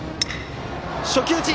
初球打ち！